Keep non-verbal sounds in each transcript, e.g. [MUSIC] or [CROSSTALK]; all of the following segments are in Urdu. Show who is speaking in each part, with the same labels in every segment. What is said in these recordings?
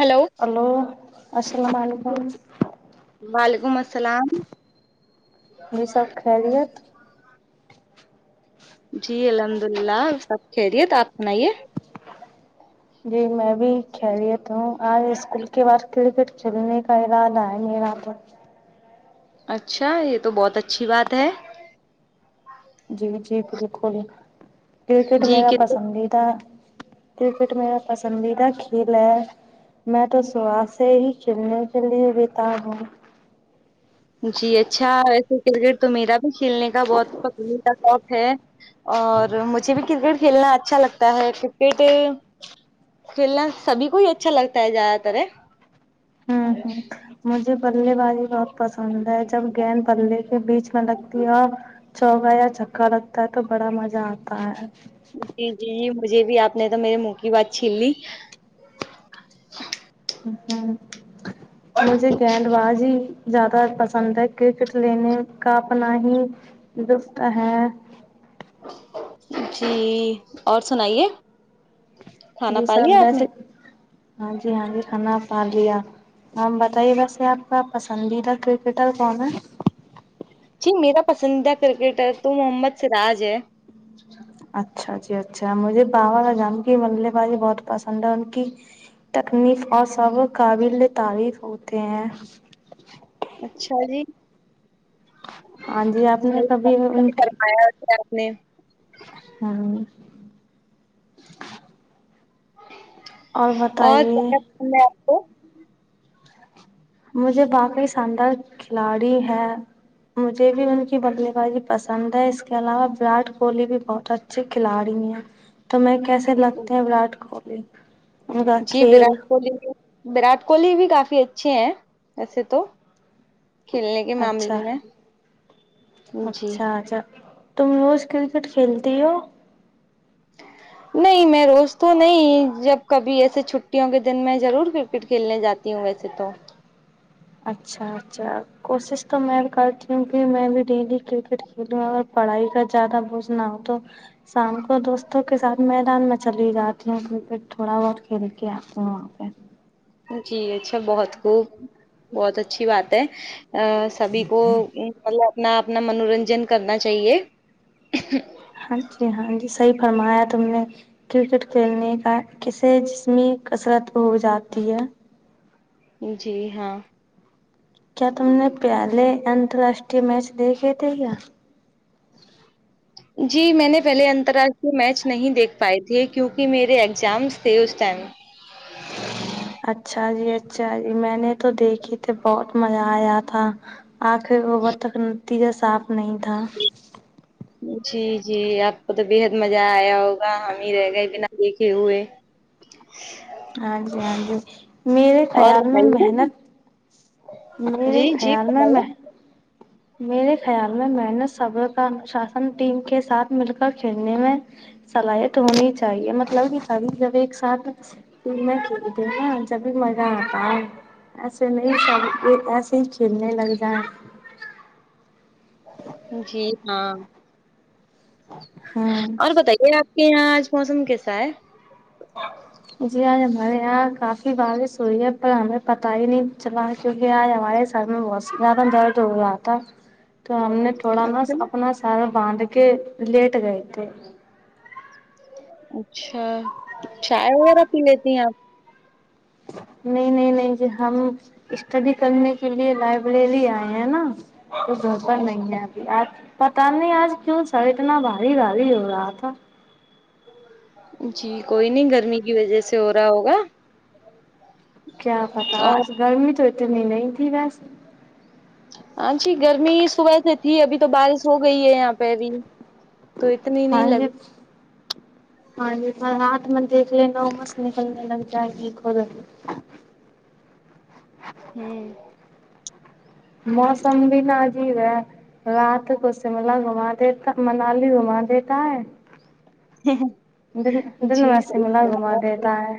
Speaker 1: ہیلو
Speaker 2: ہلو السلام علیکم
Speaker 1: وعلیکم السلام
Speaker 2: یہ سب خیریت
Speaker 1: جی الحمد اللہ سب خیریت آپ سنائیے
Speaker 2: جی میں بھی خیریت ہوں آج اسکول کے بعد کرکٹ کھیلنے کا ارادہ ہے میرا تو
Speaker 1: اچھا یہ تو بہت اچھی بات ہے
Speaker 2: جی جی بالکل کرکٹ
Speaker 1: جی
Speaker 2: میرا
Speaker 1: کرکٹ
Speaker 2: پسندیدہ کرکٹ میرا پسندیدہ کھیل ہے میں تو صبح سے ہی کلنے کے لیے بتاب ہوں
Speaker 1: جی اچھا ویسے کرکٹ تو میرا بھی کھیلنے کا بہت [UNINTELLIGIBLE] پکند تھا اکھ اور مجھے بھی کرکٹ کھیلنا اچھا لگتا ہے کرکٹ کھیلنا سبھی کو ہی اچھا لگتا ہے زیادہ تر
Speaker 2: ہوں ہوں مجھے بلے بازی بہت پسند ہے جب گیند بللے کے بیچ میں لگتی ہے اور چوکا یا چھکا لگتا ہے تو بڑا مجا آتا ہے
Speaker 1: جی جی جی مجھے بھی آپ نے تو میرے منہ کی بات چھین لی
Speaker 2: ہاں مجھے گیند بازی زیادہ پسند ہے کرکٹ لینے کا اپنا ہی لفت ہے
Speaker 1: جی اور سنائیے کھانا
Speaker 2: جی
Speaker 1: پا
Speaker 2: سب
Speaker 1: لیا آپ نے
Speaker 2: ویسے ہاں جی ہاں جی کھانا پا لیا ہم بتائیے ویسے آپ کا پسندیدہ کرکٹر کون ہے
Speaker 1: جی میرا پسندیدہ کرکٹر تو محمد سراج ہے
Speaker 2: اچھا جی اچھا مجھے باوا جان کی ملے بازی بہت پسند ہے ان کی تکنیف اور سب قابل تعریف ہوتے ہیں
Speaker 1: اچھا جی
Speaker 2: ہاں جی آپ نے
Speaker 1: [UNINTELLIGIBLE]
Speaker 2: کبھی ان کی
Speaker 1: آیا ہوس [UNINTELLIGIBLE] آپ نے
Speaker 2: ہاں
Speaker 1: اور میں آ [UNINTELLIGIBLE]
Speaker 2: مجھے باقعی شاندار کھلاڑی ہے مجھے بھی ان کی بلے بازی پسند ہے اس کے علاوہ ویراٹ کوہلی بھی بہت اچا ھے کھلاڑی ہیں تمہیں کیسے لگتے ہیں وراٹ کوہلی ان کا
Speaker 1: جی
Speaker 2: کھیل
Speaker 1: وراٹ کوہلی وراٹ کوہلی بھی کافی اچھے ہیں ایسے تو کھیلنے کے معاملے
Speaker 2: اچھا
Speaker 1: میں جی
Speaker 2: اچھا اچھا تم روز کرکٹ کھیلتی ہو
Speaker 1: نہیں میں روز تو نہیں جب کبھی ایسے چھٹیوں کے دن میں ضرور کرکٹ کھیلنے جا تی ہوں ویسے تو
Speaker 2: اچھا اچھا کوشش تو میں کرتی ہوں کہ میں بھی ڈیلی کرکٹ کھیلوں اگر پڑھائی کا زیادہ بوجھ نہ ہو تو شام کو دوستوں کے ساتھ میدان میں چلی جاتی ہوں کرکٹ تھوڑا بہت کھیل کے آتی ہوں وہاں پہ
Speaker 1: جی اچھا بہت خوب بہت اچھی بات ہے سبھی کو مطلب اپنا اپنا منورنجن کرنا چاہیے
Speaker 2: ہاں جی ہاں جی صحیح فرمایا تم نے کرکٹ کھیلنے کا کسے جسمی کسرت ہو جاتی ہے
Speaker 1: جی ہاں
Speaker 2: کیا تم نے پہلے انترراشٹریہ میچ دیکھے تھے کیا
Speaker 1: جی میں نے پہلے انترراشٹریہ میچ نہیں دیکھ پائے تھے کیونکہ میرے ایگزامس تھے اس ٹائم
Speaker 2: اچھا جی اچھا جی میں نے تو دیکھے تھے بہت مزہ آیا تھا آنکھیں گوبر تک نتیجہ صاف نہیں تھا
Speaker 1: جی جی آپ کو تو بےحد مزہ آیا ہوگا ہم ہی رہ گئے بنا دیکھے ہوئے
Speaker 2: ہاں جی ہاں جی میرے
Speaker 1: اور
Speaker 2: خیال میں
Speaker 1: بتائیے
Speaker 2: محنت میرے
Speaker 1: جی جی
Speaker 2: خیال میں
Speaker 1: بتائیے
Speaker 2: میں میرے خیال میں میں نے صبر کا انشاسن ٹیم کے ساتھ مل کر کھیلنے میں صلاحیت ہونی چاہیے مطلب کہ ساری جب ایک ساتھ پھر میں کھیلتی نا جب بھی مزہ آتا ہے ایسے نہیں سب یہ ایسے چیلنے لگ جائیں
Speaker 1: جی ہاں
Speaker 2: ہوں
Speaker 1: اور بتائیے آپ کے یہاں آج موسم کیسا ہے
Speaker 2: جی آج ہمارے یہاں کافی بارش ہوئی ہے پر ہمیں پتا ہی نہیں چلا کیونکہ آج ہمارے سر میں بہت زیادہ درد ہو رہا تھا تو ہم نے تھوڑا نا
Speaker 1: اچھا
Speaker 2: اپنا سارا باندھ کے لیٹ گئے تھے
Speaker 1: اچھا چائے وغیرہ پی لیتی ہیں آپ
Speaker 2: نہیں نہیں نہیں جی ہم اسٹڈی کرنے کے لیے لائبریری آئے ہیں نا تو گھر پر نہیں ابھی آپ پتا نہیں آج کیوں سر اتنا بھاری بھاری ہو رہا تھا
Speaker 1: جی کوئی نہیں گرمی کی وجہ سے ہو رہا ہوگا
Speaker 2: کیا پتا
Speaker 1: اور
Speaker 2: آج گرمی تو اتنی نہیں تھی ویسے
Speaker 1: ہاں جی گرمی صبح سے تھی ابھی تو بارش ہو گئی ہے یہاں پہ ابھی تو اتنی نہیں
Speaker 2: ہاں
Speaker 1: لگ
Speaker 2: جی ہاں جی پر ہاتھ میں نے دیکھ لینا امواس نکل جائے گی ٹھیک ہوگیے
Speaker 1: ہوں
Speaker 2: موسم بھی نہ عجیب ہے رات کو شملہ گھوما دیتا منالی گھوما دیتا ہے دن دن
Speaker 1: جی
Speaker 2: واسی ملا گھوما دیتا ہے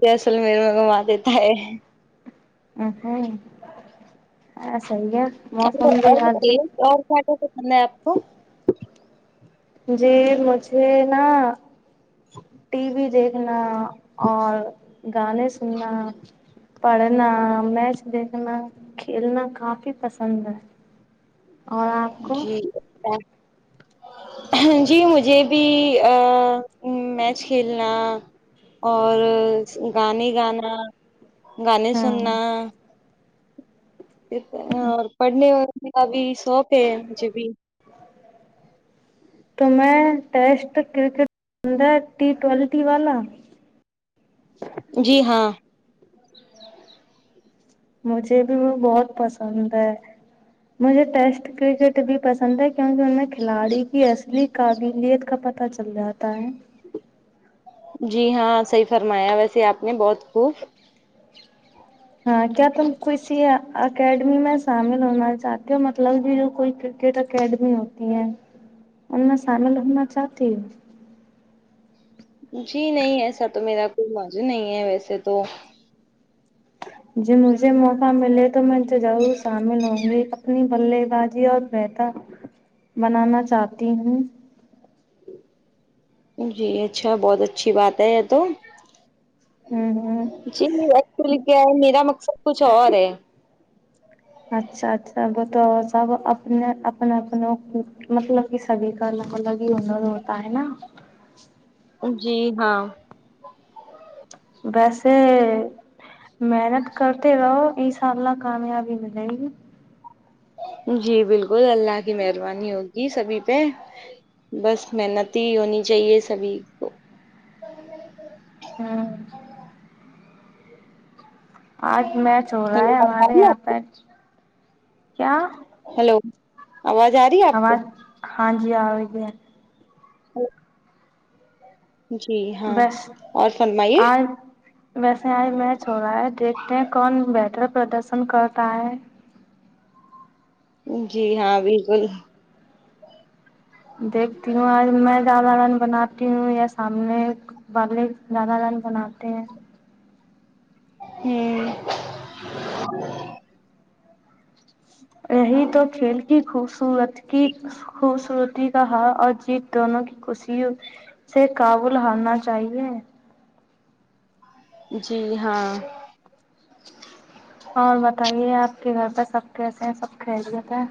Speaker 1: جی اصل میں میرے کو گھوما دیتا ہے
Speaker 2: اں ہوں
Speaker 1: اور اور
Speaker 2: آج
Speaker 1: ایک اور کیا کیا پسند ہے آپ کو
Speaker 2: جی مجھے نا ٹی وی دیکھنا اور گانے سننا پڑھنا میچ دیکھنا کھیلنا کافی پسند ہے اور آپ کو
Speaker 1: جی اور جی مجھے بھی ا میچ کھیلنا اور گانے گانا گانے
Speaker 2: ہاں
Speaker 1: سننا ا اور پڑھنے کا بھی شوق ہے مجھے بھی
Speaker 2: تو میں ٹیسٹ کرکٹ اندر ٹی ٹوینٹی والا
Speaker 1: جی ہاں
Speaker 2: مجھے بھی وہ بہت پسند ہے مجھے ٹیسٹ کرکٹ بھی پسند ہے کیونکہ ان میں کھلاڑی کی اصلی قابلیت کا پتہ چل جاتا ہے
Speaker 1: جی ہاں صحیح فرمایا ویسے آپ نے بہت خوب
Speaker 2: ہاں کیا تم کسی اکیڈمی میں شامل ہونا چاہتے ہو مطلب کہ جو کوئی کرکٹ اکیڈمی ہوتی ہیں ان میں شامل ہونا چاہتی ہو
Speaker 1: جی نہیں ایسا تو میرا کوئی مج نہیں ہے ویسے تو
Speaker 2: جی مجھے موقع ملے تو میں ضرور شامل ہوں گی اپنی بلے بازی اور بہتر بنانا چاہتی ہوں
Speaker 1: جی اچھا بہت اچھی بات ہے یہ تو
Speaker 2: ہوں ہوں
Speaker 1: جی ایکچولی کیا ہے میرا مقصد کچھ اور ہے
Speaker 2: اچھا اچھا بتاؤ سب اپنے اپنے اپنوں کی مطلب کہ سبھی کا الگ الگ ہی ہنر ہوتا ہے نا
Speaker 1: جی ہاں
Speaker 2: ویسے محنت کرتے رہو انشاء اللہ کامیابی ملے گی
Speaker 1: جی بالکل اللہ کی مہربانی ہوگی سبھی پہ بس محنتی ہونی چاہیے سبھی کو
Speaker 2: ہاں آج میچ ہو رہا ہے ہمارے یہاں پر کیا
Speaker 1: ہلو آواز آ رہی ہے آپ کو
Speaker 2: آواز ہاں جی آ رہی ہے
Speaker 1: [UNINTELLIGIBLE] جی ہاں
Speaker 2: بس
Speaker 1: اور فرمائیے
Speaker 2: آج ویسے آئی میچ ہو رہا ہے دیکھتے ہیں کون بہتر پردرشن کرتا ہے
Speaker 1: جی ہاں بالکل
Speaker 2: دیکھتی ہوں آج میں زالہ ران بناتی ہوں یا سامنے بے زالہ رن بناتے ہیں
Speaker 1: ہوں
Speaker 2: یہی تو کھیل کی خوبصورت کی خوبصورتی کا ہال اور جیت دونوں کی خوشی اس سے کابل ہارنا چاہیے
Speaker 1: جی ہاں
Speaker 2: اور بتائیے آپ کے گھر پہ سب کیسے ہیں سب خیریت ہے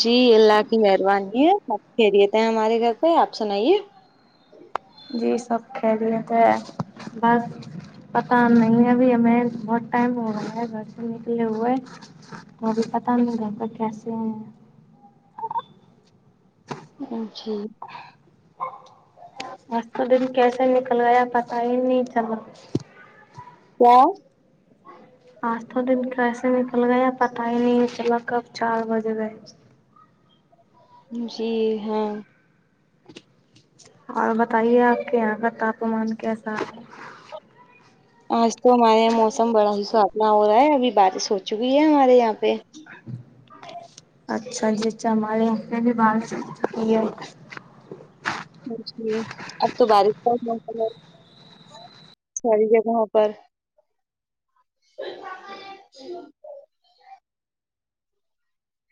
Speaker 1: جی اللہ کی مہربانی ہے سب خیریت ہیں ہمارے گھر پہ آپ سنائیے
Speaker 2: جی سب خیریت ہے بس پتا نہیں ابھی ہمیں بہت ٹائم ہو رہا ہے گھر سے نکلے ہوئے تو ابھی پتا نہیں گھر میں کیسے ہیں
Speaker 1: ا جی
Speaker 2: اج تو دن کیسے نکل گیا پتا ہی نہیں چلا
Speaker 1: کیا
Speaker 2: آج تو دن کیسے نکل گیا یا پتا ہی نہیں چلا کب چار بج گئے
Speaker 1: جی ہاں
Speaker 2: اور بتائیے آپ کے یہاں کا تاپمان کیسا ہے
Speaker 1: آج تو ہمارے یہاں موسم بڑا ہی سافنا ہو رہا ہے ابھی بارش ہو چکی ہے ہمارے یہاں پہ
Speaker 2: اچھا جی چماری ہم نہ بھی بارش ہو چکی ہے
Speaker 1: پوچھ لیہ اب تمہارا پاس [UNINTELLIGIBLE] مو کلور ساری جگہوں پر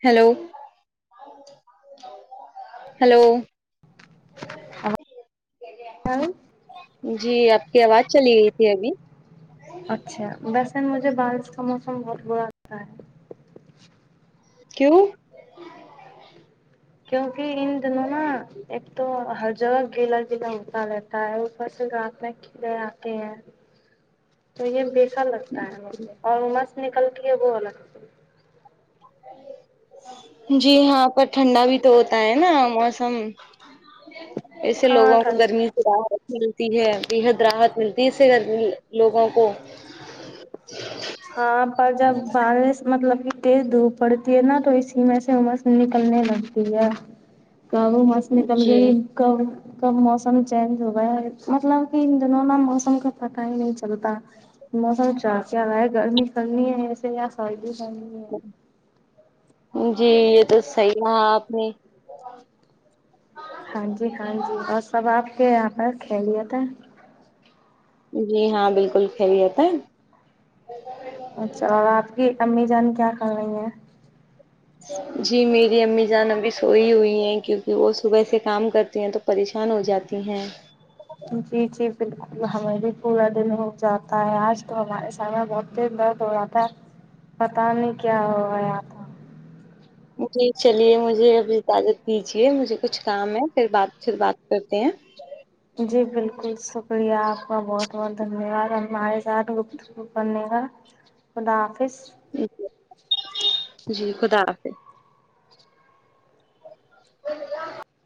Speaker 1: ہیلو ہیلو
Speaker 2: [UNINTELLIGIBLE]
Speaker 1: جی آپ کی آواز چلی گئی تھی ابھی
Speaker 2: اچھا ویسن مجھے بارش کا موسم بہت برا لگتا ہے
Speaker 1: کیوں
Speaker 2: کیونکہ ان دنوں نا ایک تو ہر جگہ گیلا گیلا ہوتا رہتا ہے اوپر رات میں گھر ا کے ہے تو یہ بیسر لگتا ہے اور امس نکلتی ہے وہ الگ سے۔
Speaker 1: جی ہاں پر ٹھنڈا بھی تو ہوتا ہے نا موسم ایسے
Speaker 2: ہاں
Speaker 1: لوگوں کو
Speaker 2: ٹھنڈ
Speaker 1: گرمی راحت ملتی ہے بےحد راحت ملتی اس سے لوگوں کو
Speaker 2: ہاں پر جب ببارش مطلب کہ تاز دو پڑتی ہے نا تو اسی میں سے اواز نکلنے لگتی ہے کہ بس مئی کم
Speaker 1: جی
Speaker 2: ریٹ ک وہ کب موسم چینج ہو گیا مطلب کہ ان دنوں موسم کا پتہ ہی نہیں چلتا موسم چار چار ائے گرم پڑ رہی ہے ایسے یا سردی پڑ رہی ہے
Speaker 1: جی یہ تو صحیح کھا آپ نے
Speaker 2: ہاں جی ہاں جی اور سب آپ کے یہاں پر خیلیت ہے
Speaker 1: جی ہاں بالکل خیریت رہتا ہے
Speaker 2: اچھا اور آپ کی امی جان کیا کر رہی ہیں
Speaker 1: جی میری امی جان ابھی سوئی ہوئی ہیں کیونکہ وہ صبح سے کام کرتی ہیں تو پریشان ہو جاتی ہیں
Speaker 2: جی جی بالکل ہمیں پورا دن ہو جاتا ہے آج تو ہمارے سایہ بہت دیر درد ہو رہا تہ پتا نہیں کیا ہوا گیا آپ
Speaker 1: ج چلیے مجھے اب اجازت دیجیے مجھے کچھ کام ہے پھر بات پھر بات کرتے ہیں
Speaker 2: جی بالکل شکریہ آپ کا بہت بہت دھنیہ واد ہمارے ساتھ گ اسکول پڑھنے کا خد آفس
Speaker 1: جی خدا حافظ